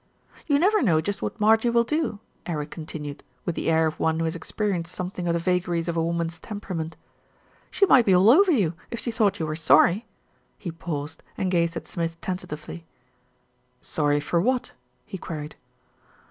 "You never know just what Marjie will do," Eric continued, with the air of one who has experienced something of the vagaries of a woman's temperament. "She might be all over you if she thought you were sorry." He paused and gazed at Smith tentatively. "Sorry for what?" he queried.